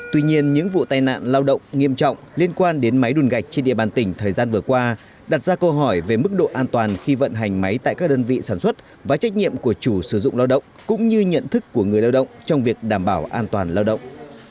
tuy nhiên những vụ tai nạn lao động nghiêm trọng liên quan đến máy đùn gạch trên địa bàn tỉnh thời gian vừa qua đặt ra câu hỏi về mức độ an toàn khi vận hành máy tại các đơn vị sản xuất và trách nhiệm của chủ sử dụng lao động cũng như nhận thức của người lao động trong việc đảm bảo an toàn lao động